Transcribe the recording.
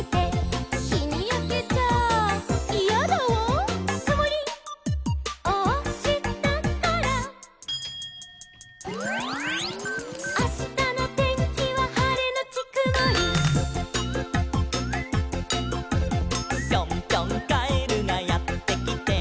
「『ひにやけちゃイヤだわ』」「くもりをおしたから」「あしたのてんきははれのちくもり」「ぴょんぴょんカエルがやってきて」